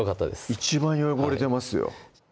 一番汚れてますよ